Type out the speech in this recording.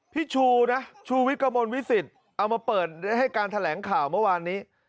ชูนะชูวิทย์กระมวลวิสิตเอามาเปิดให้การแถลงข่าวเมื่อวานนี้